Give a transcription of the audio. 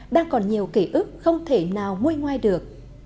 đang còn nhiều kỷ ức không thể nào môi ngoai được